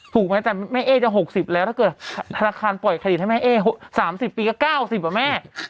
ถูกไหมแต่แม่เอ๊จะ๖๐แล้วถ้าเกิดธนาคารปล่อยเครดิตให้แม่เอ๊๓๐ปีก็๙๐อ่ะแม่